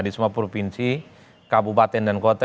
di semua provinsi kabupaten dan kota